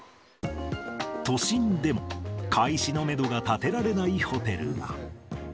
都心でも、開始のメドが立てられないホテルが。